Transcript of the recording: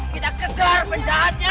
kita kejar penjahatnya